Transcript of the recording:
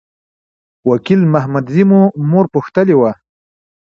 وکیل محمدزی مو مور پوښتلي وه.